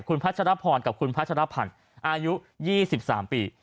คุณพระชรพรกับคุณพระชรพรอายุ๒๓ปี